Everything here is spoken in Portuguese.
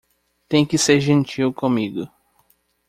Tem que ser gentil comigo.